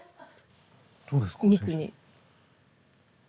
どうですか？